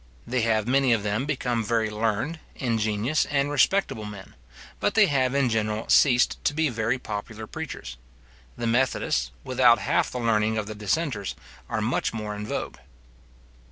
They have many of them become very learned, ingenious, and respectable men; but they have in general ceased to be very popular preachers. The methodists, without half the learning of the dissenters, are much more in vogue.